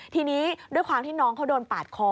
ทีนี้ด้วยความที่น้องเขาโดนปาดคอ